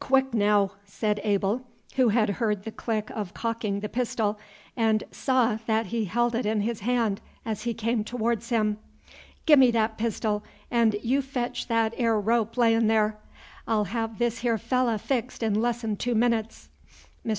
"Quick, naow!" said Abel, who had heard the click of cocking the pistol, and saw that he held it in his hand, as he came towards him. "Gi' me that pistil, and yeou fetch that 'ere rope layin' there. I 'll have this here fellah fixed 'n less 'n two minutes." Mr.